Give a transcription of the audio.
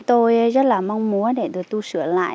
tôi rất là mong muốn để được tu sửa lại